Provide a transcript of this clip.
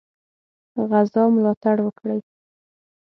غزا ملاتړ وکړي.